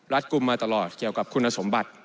กลุ่มมาตลอดเกี่ยวกับคุณสมบัติ